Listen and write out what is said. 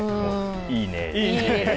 いいね！